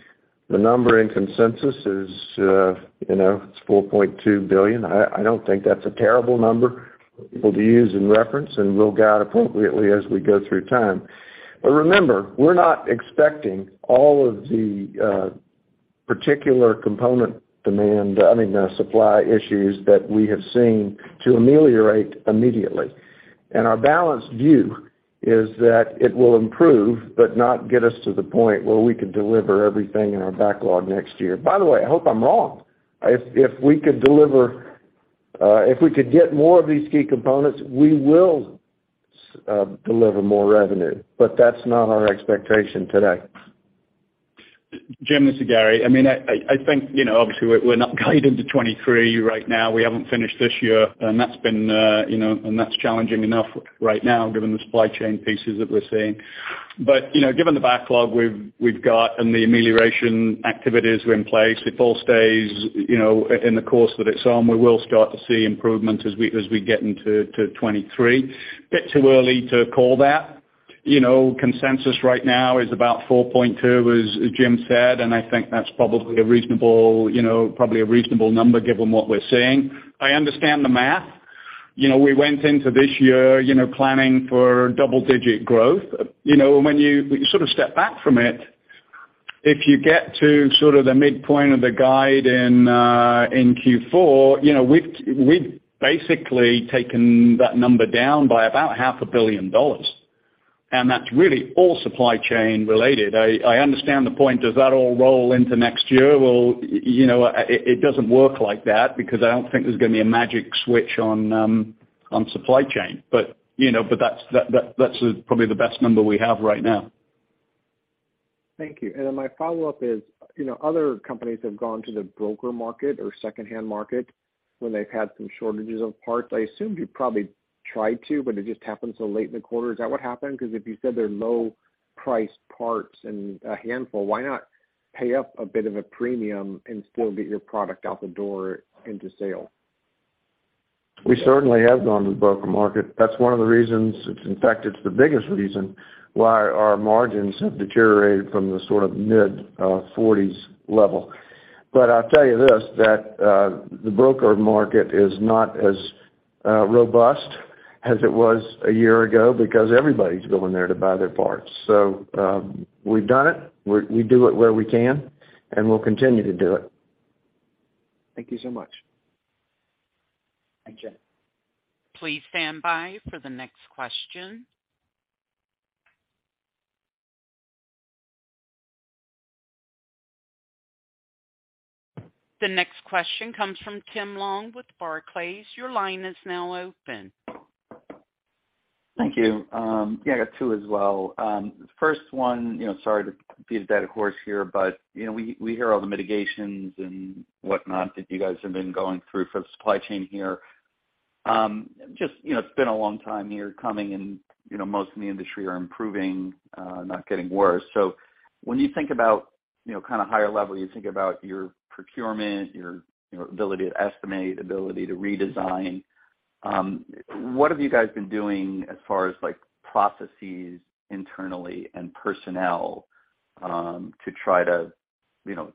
Speaker 4: The number in consensus is, you know, it's $4.2 billion. I don't think that's a terrible number for people to use in reference, and we'll guide appropriately as we go through time. Remember, we're not expecting all of the, I mean, the supply issues that we have seen to ameliorate immediately. Our balanced view is that it will improve but not get us to the point where we could deliver everything in our backlog next year. By the way, I hope I'm wrong. If we could deliver, if we could get more of these key components, we will deliver more revenue. That's not our expectation today.
Speaker 3: Jim, this is Gary. I mean, I think, you know, obviously, we're not guiding to 2023 right now. We haven't finished this year, and that's been, you know, and that's challenging enough right now given the supply chain pieces that we're seeing. You know, given the backlog we've got and the amelioration activities we have in place, if all stays, you know, in the course that it's on, we will start to see improvements as we get into 2023. Bit too early to call that. You know, consensus right now is about $4.2, as Jim said, and I think that's probably a reasonable number given what we're seeing. I understand the math. You know, we went into this year, you know, planning for double-digit growth. You know, when you sort of step back from it, if you get to sort of the midpoint of the guide in Q4, you know, we've basically taken that number down by about $0.5 billion, and that's really all supply chain related. I understand the point. Does that all roll into next year? Well, you know, it doesn't work like that because I don't think there's gonna be a magic switch on supply chain. You know, that's probably the best number we have right now.
Speaker 11: Thank you. My follow-up is, you know, other companies have gone to the broker market or secondhand market when they've had some shortages of parts. I assume you probably tried to, but it just happened so late in the quarter. Is that what happened? Because if you said they're low-priced parts and a handful, why not pay up a bit of a premium and still get your product out the door into sale?
Speaker 4: We certainly have gone to the broker market. That's one of the reasons, in fact, it's the biggest reason why our margins have deteriorated from the sort of mid-40s% level. I'll tell you this, that the broker market is not as robust as it was a year ago because everybody's going there to buy their parts. We've done it. We do it where we can, and we'll continue to do it.
Speaker 11: Thank you so much.
Speaker 3: Thanks.
Speaker 1: Please stand by for the next question. The next question comes from Tim Long with Barclays. Your line is now open.
Speaker 12: Thank you. Yeah, I got two as well. First one, you know, sorry to beat a dead horse here, but, you know, we hear all the mitigations and whatnot that you guys have been going through for the supply chain here. Just, you know, it's been a long time in coming and, you know, most in the industry are improving, not getting worse. When you think about, you know, kind of higher level, you think about your procurement, your ability to estimate, ability to redesign, what have you guys been doing as far as, like, processes internally and personnel, to try to, you know,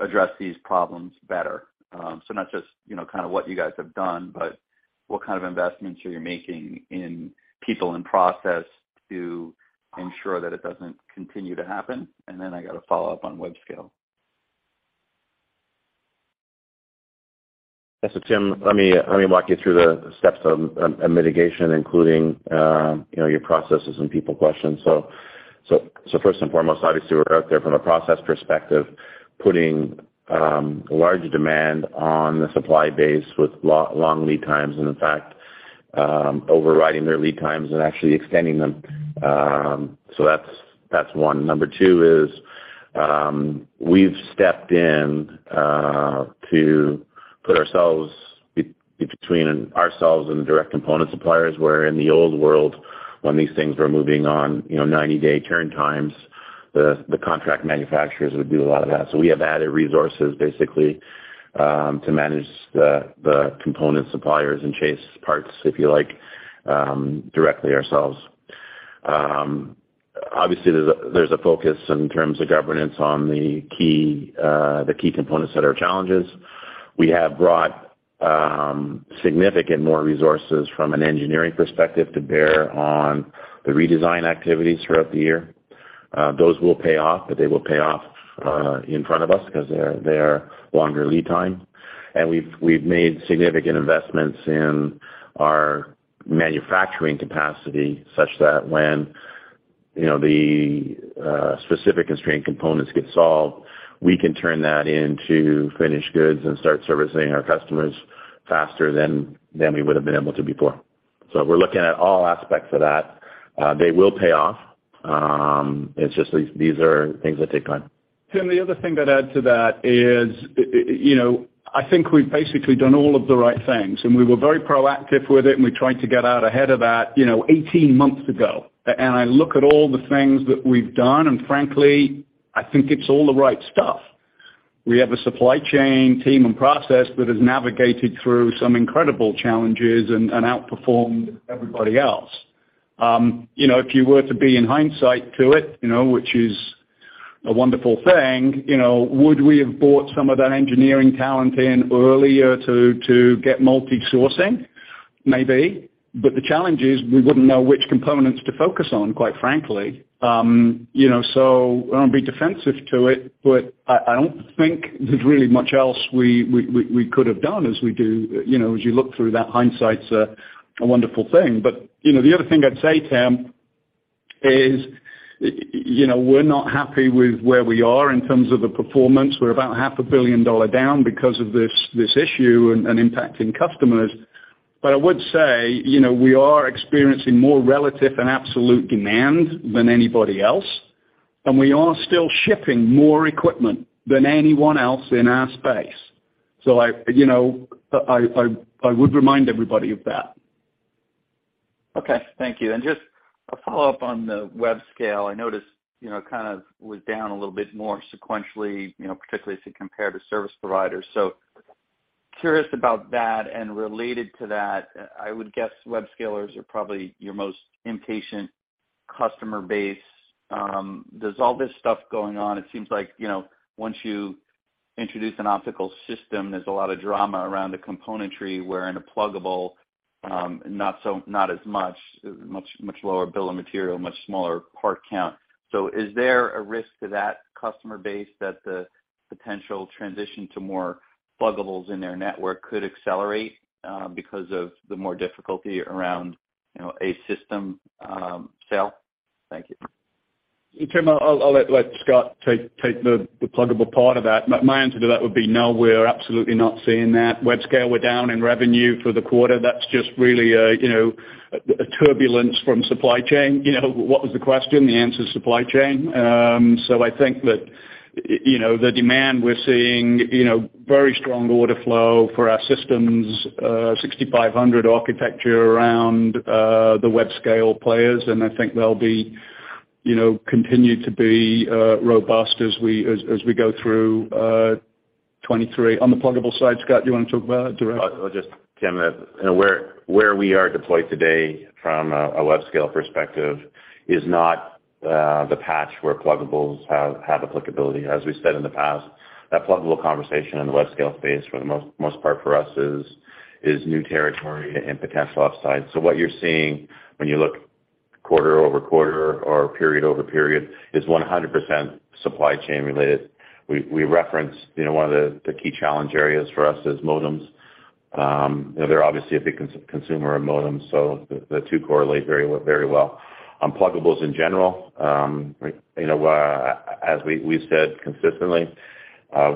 Speaker 12: address these problems better? So not just, you know, kind of what you guys have done, but what kind of investments are you making in people and process to ensure that it doesn't continue to happen? I got a follow-up on web scale.
Speaker 6: Yes. Tim, let me walk you through the steps of a mitigation, including, you know, your processes and people questions. First and foremost, obviously, we're out there from a process perspective, putting large demand on the supply base with long lead times and in fact, overriding their lead times and actually extending them. That's one. Number two is, we've stepped in to put ourselves between ourselves and direct component suppliers, where in the old world, when these things were moving on, you know, 90-day turn times, the contract manufacturers would do a lot of that. We have added resources, basically, to manage the component suppliers and chase parts, if you like, directly ourselves. Obviously, there's a focus in terms of governance on the key components that are challenges. We have brought significant more resources from an engineering perspective to bear on the redesign activities throughout the year. Those will pay off, but they will pay off in front of us because they are longer lead time. We've made significant investments in our manufacturing capacity such that when, you know, the specific constraint components get solved, we can turn that into finished goods and start servicing our customers faster than we would have been able to before. We're looking at all aspects of that. They will pay off. It's just these are things that take time.
Speaker 3: Tim, the other thing to add to that is, you know, I think we've basically done all of the right things, and we were very proactive with it, and we tried to get out ahead of that, you know, 18 months ago. And I look at all the things that we've done, and frankly, I think it's all the right stuff. We have a supply chain team and process that has navigated through some incredible challenges and outperformed everybody else. You know, if you were to be in hindsight to it, you know, which is a wonderful thing, you know, would we have brought some of that engineering talent in earlier to get multi-sourcing? Maybe. The challenge is we wouldn't know which components to focus on, quite frankly. You know, I'm gonna be defensive to it, but I don't think there's really much else we could have done as we do. You know, as you look through that, hindsight's a wonderful thing. You know, the other thing I'd say, Tim, is, you know, we're not happy with where we are in terms of the performance. We're about $0.5 billion down because of this issue and impacting customers. I would say, you know, we are experiencing more relative and absolute demand than anybody else, and we are still shipping more equipment than anyone else in our space. I, you know, I would remind everybody of that.
Speaker 12: Okay, thank you. Just a follow-up on the web scale. I noticed, you know, it kind of was down a little bit more sequentially, you know, particularly as you compare to service providers. Curious about that. Related to that, I would guess web scalers are probably your most impatient customer base. There's all this stuff going on. It seems like, you know, once you introduce an optical system, there's a lot of drama around the componentry, where in a pluggable, not as much. Much, much lower bill of material, much smaller part count. Is there a risk to that customer base that the potential transition to more pluggables in their network could accelerate, because of the more difficulty around, you know, a system sale? Thank you.
Speaker 3: Tim, I'll let Scott take the pluggable part of that. My answer to that would be no, we're absolutely not seeing that. Web scale, we're down in revenue for the quarter. That's just really you know a turbulence from supply chain. You know, what was the question? The answer is supply chain. So I think that you know the demand we're seeing you know very strong order flow for our systems 6500 architecture around the web scale players, and I think they'll be you know continue to be robust as we as we go through 2023. On the pluggable side, Scott, do you want to talk about it direct?
Speaker 6: Tim Long, where we are deployed today from a web scale perspective is not the place where pluggables have applicability. As we said in the past, that pluggable conversation in the web scale space for the most part for us is new territory and potential upside. What you're seeing when you look quarter-over-quarter or period-over-period is 100% supply chain related. We referenced, you know, one of the key challenge areas for us is modems. They're obviously a big consumer of modems, so the two correlate very well. On pluggables in general, you know, as we said consistently,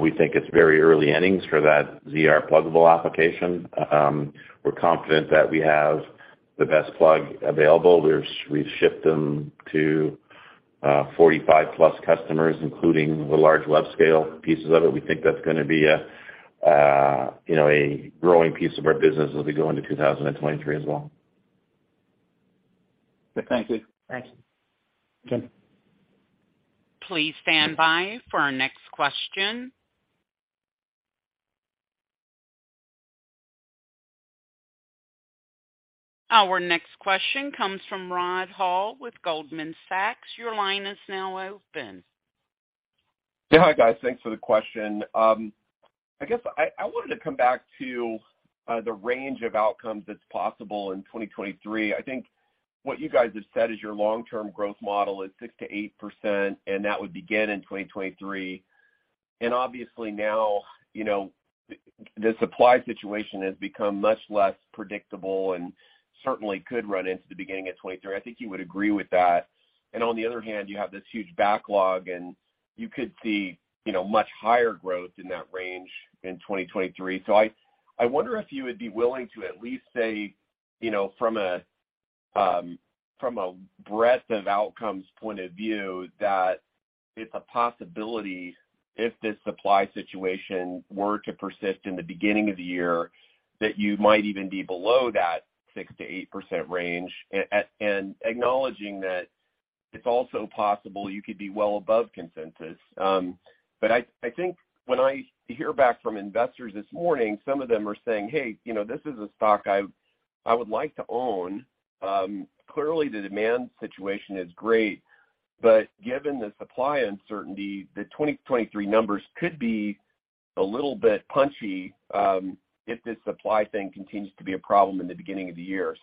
Speaker 6: we think it's very early innings for that ZR pluggable application. We're confident that we have the best pluggable available. We've shipped them to 45+ customers, including the large web scale pieces of it. We think that's gonna be a, you know, a growing piece of our business as we go into 2023 as well.
Speaker 12: Thank you.
Speaker 6: Thank you.
Speaker 3: Thank you Tim.
Speaker 1: Please stand by for our next question. Our next question comes from Rod Hall with Goldman Sachs. Your line is now open.
Speaker 13: Yeah. Hi, guys. Thanks for the question. I guess I wanted to come back to the range of outcomes that's possible in 2023. I think what you guys have said is your long-term growth model is 6%-8%, and that would begin in 2023. Obviously now, you know, the supply situation has become much less predictable and certainly could run into the beginning of 2023. I think you would agree with that. On the other hand, you have this huge backlog, and you could see, you know, much higher growth in that range in 2023. I wonder if you would be willing to at least say, you know, from a breadth of outcomes point of view, that it's a possibility if this supply situation were to persist in the beginning of the year, that you might even be below that 6%-8% range. Acknowledging that it's also possible you could be well above consensus. I think when I hear back from investors this morning, some of them are saying, "Hey, you know, this is a stock I would like to own. Clearly the demand situation is great, but given the supply uncertainty, the 2023 numbers could be a little bit punchy, if this supply thing continues to be a problem in the beginning of the year."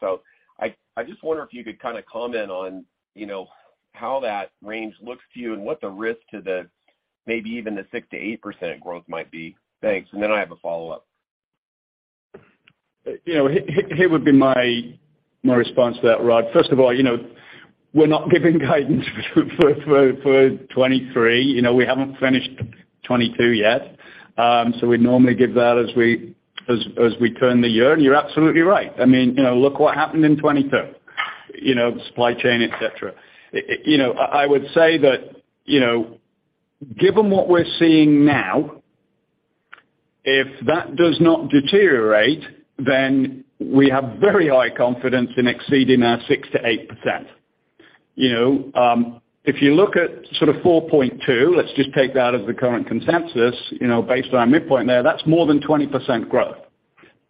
Speaker 13: I just wonder if you could kind of comment on, you know, how that range looks to you and what the risk to the, maybe even the 6%-8% growth might be. Thanks, and then I have a follow-up.
Speaker 3: You know, here would be my response to that, Rod. First of all, you know, we're not giving guidance for 2023. You know, we haven't finished 2022 yet. So we'd normally give that as we turn the year. You're absolutely right. I mean, you know, look what happened in 2022, you know, supply chain, et cetera. You know, I would say that, you know, given what we're seeing now, if that does not deteriorate, then we have very high confidence in exceeding our 6%-8%. You know, if you look at sort of 4.2, let's just take that as the current consensus, you know, based on our midpoint there, that's more than 20% growth.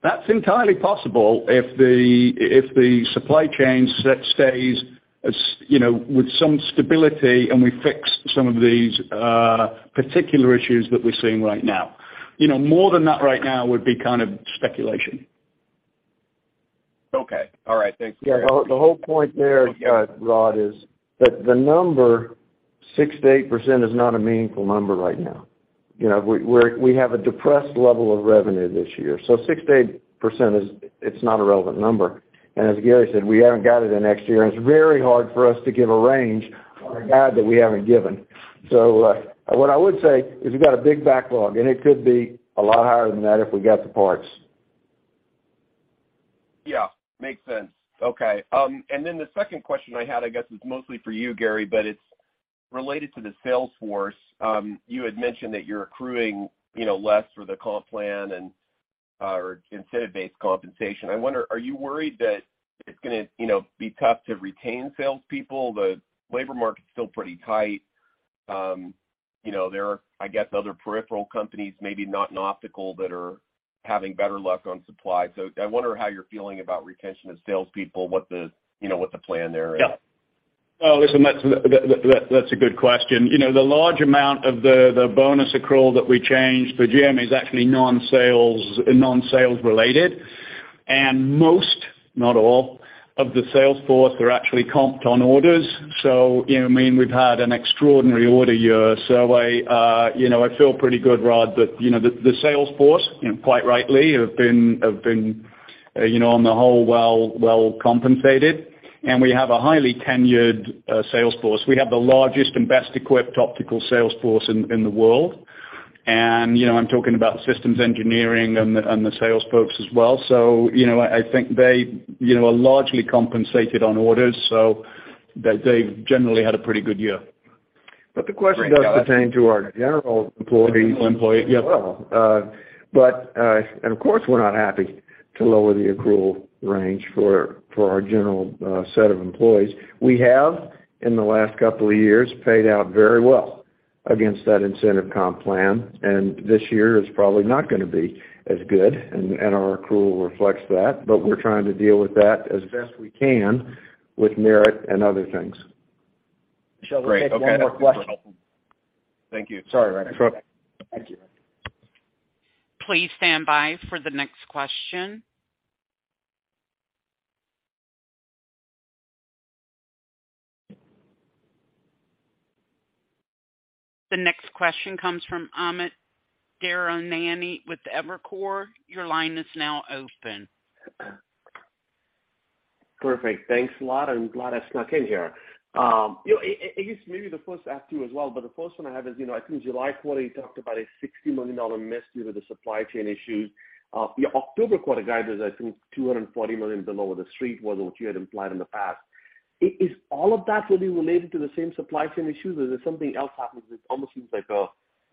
Speaker 3: That's entirely possible if the supply chain stays as, you know, with some stability and we fix some of these particular issues that we're seeing right now. You know, more than that right now would be kind of speculation.
Speaker 13: Okay. All right. Thanks.
Speaker 4: Yeah. The whole point there, Rod, is that the number 6%-8% is not a meaningful number right now. You know, we have a depressed level of revenue this year, so 6%-8% is, it's not a relevant number. As Gary said, we haven't guided to next year, and it's very hard for us to give a range on a guide that we haven't given. What I would say is we've got a big backlog, and it could be a lot higher than that if we got the parts.
Speaker 13: Yeah. Makes sense. Okay. And then the second question I had, I guess, is mostly for you, Gary, but it's related to the sales force. You had mentioned that you're accruing, you know, less for the comp plan and or incentive-based compensation. I wonder, are you worried that it's gonna, you know, be tough to retain salespeople? The labor market's still pretty tight. You know, there are, I guess, other peripheral companies, maybe not in optical, that are having better luck on supply. So I wonder how you're feeling about retention of salespeople, what the, you know, what the plan there is.
Speaker 3: Yeah. Well, listen, that's a good question. You know, the large amount of the bonus accrual that we changed for Jim is actually non-sales related. Most, not all, of the sales force are actually comped on orders. You know, I mean, we've had an extraordinary order year. I feel pretty good, Rod, that you know, the sales force quite rightly have been on the whole well compensated. We have a highly tenured sales force. We have the largest and best equipped optical sales force in the world. You know, I'm talking about systems engineering and the sales folks as well. You know, I think they are largely compensated on orders, so they've generally had a pretty good year.
Speaker 4: The question does pertain to our general employees as well. Of course, we're not happy to lower the accrual range for our general set of employees. We have, in the last couple of years, paid out very well against that incentive comp plan, and this year is probably not gonna be as good, and our accrual reflects that. We're trying to deal with that as best we can with merit and other things.
Speaker 13: Great. Okay.
Speaker 3: Michelle, we'll take one more question.
Speaker 13: Thank you.
Speaker 4: Sorry, Rod.
Speaker 3: Sure. Thank you.
Speaker 1: Please stand by for the next question. The next question comes from Amit Daryanani with Evercore. Your line is now open.
Speaker 14: Perfect. Thanks a lot. I'm glad I snuck in here. You know, I guess maybe the first one I have is, you know, I think July quarter, you talked about a $60 million miss due to the supply chain issues. Your October quarter guidance is, I think, $240 million below where the Street was or what you had implied in the past. Is all of that fully related to the same supply chain issues, or is there something else happening? It almost seems like a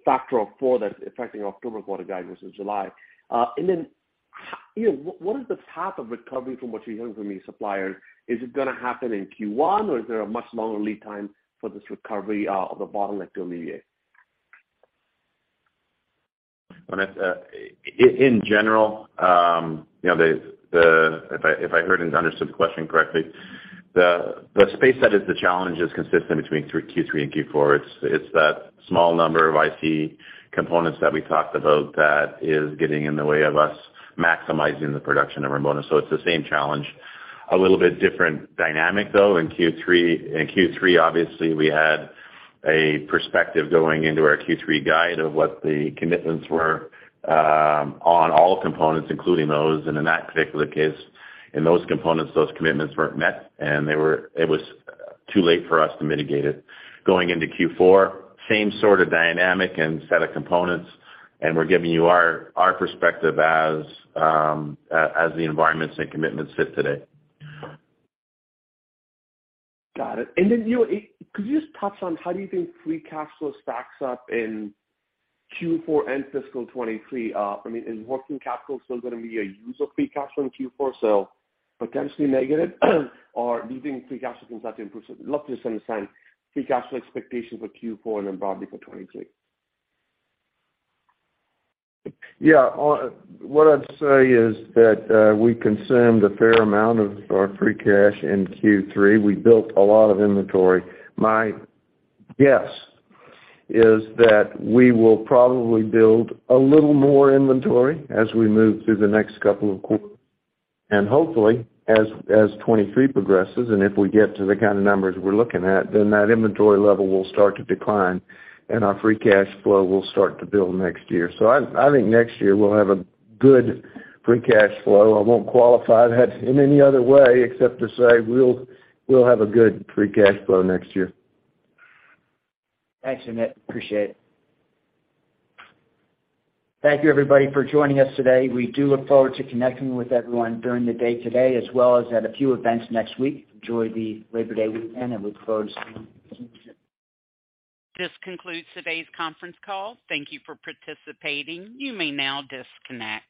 Speaker 14: factor of four that's affecting October quarter guidance in July. You know, what is the path of recovery from what you're hearing from your suppliers? Is it gonna happen in Q1, or is there a much longer lead time for this recovery, of the bottleneck to alleviate?
Speaker 6: On that, in general, you know, if I heard and understood the question correctly, the space that is the challenge is consistent between Q3 and Q4. It's that small number of IC components that we talked about that is getting in the way of us maximizing the production of modems. So it's the same challenge. A little bit different dynamic, though, in Q3. In Q3, obviously, we had a perspective going into our Q3 guide of what the commitments were on all components, including those. In that particular case, in those components, those commitments weren't met, and it was too late for us to mitigate it. Going into Q4, same sort of dynamic and set of components, and we're giving you our perspective as the environments and commitments sit today.
Speaker 14: Got it. Then you could just touch on how do you think free cash flow stacks up in Q4 and fiscal 2023? I mean, is working capital still gonna be a use of free cash flow in Q4, so potentially negative? Or do you think free cash flow can start to improve? I'd love to just understand free cash flow expectation for Q4 and then broadly for 2023.
Speaker 4: Yeah. What I'd say is that we consumed a fair amount of our free cash in Q3. We built a lot of inventory. My guess is that we will probably build a little more inventory as we move through the next couple of quarters. Hopefully, as 2023 progresses, and if we get to the kind of numbers we're looking at, then that inventory level will start to decline, and our free cash flow will start to build next year. I think next year we'll have a good free cash flow. I won't qualify that in any other way except to say we'll have a good free cash flow next year.
Speaker 14: Thanks. Appreciate it.
Speaker 3: Thank you everybody for joining us today. We do look forward to connecting with everyone during the day today as well as at a few events next week. Enjoy the Labor Day weekend, and look forward to seeing you soon.
Speaker 1: This concludes today's conference call. Thank you for participating. You may now disconnect.